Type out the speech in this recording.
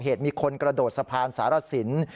เหตุมีคนกระโดดสะพานสารสิน